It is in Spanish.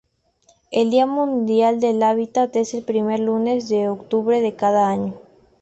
El Día Mundial del Hábitat es el primer lunes de octubre de cada año.